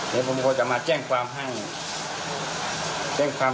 เดี๋ยวผมก็จะมาแจ้งความสักทีงั้น